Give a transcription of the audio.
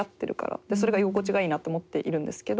でそれが居心地がいいなって思っているんですけど。